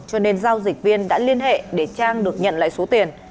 cho nên giao dịch viên đã liên hệ để trang được nhận lại số tiền